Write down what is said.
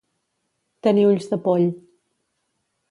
Tenir ulls de poll.